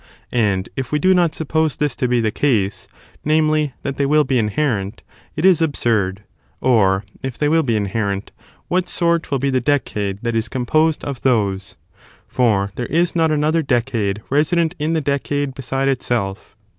and if we do not suppose this to be the case, namely, that they will be inherent, it is absurd; or, if they will be inherent, what sort will be the decade that is composed of those 1 for there is not another decade resident in the decade beside itself.